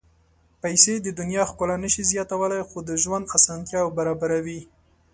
پېسې د دنیا ښکلا نه شي زیاتولی، خو د ژوند اسانتیاوې برابروي.